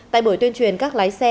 tại buổi tuyên truyền các lái xe